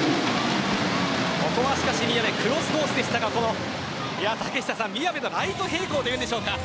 ここは宮部クロスコースでしたが宮部のライト平行というんでしょうか。